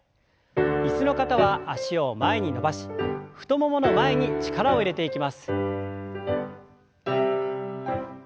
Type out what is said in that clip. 椅子の方は脚を前に伸ばし太ももの前に力を入れていきます。